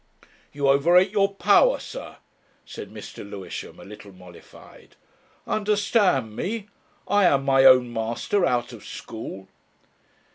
"You overrate your power, sir," said Mr. Lewisham, a little mollified. "Understand me! I am my own master out of school."